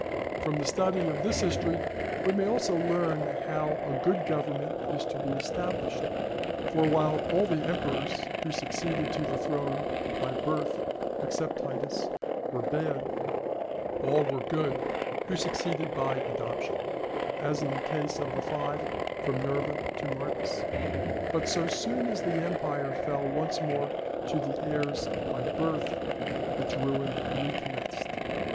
From the study of this history we may also learn how a good government is to be established; for while all the emperors who succeeded to the throne by birth, except Titus, were bad, all were good who succeeded by adoption; as in the case of the five from Nerva to Marcus. But so soon as the empire fell once more to the heirs by birth, its ruin recommenced.